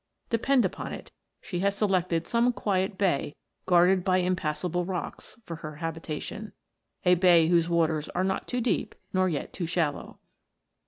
De pend upon it, she has selected some quiet bay, guarded by impassable rocks, for her habitation a bay whose waters are not too deep nor yet too shallow.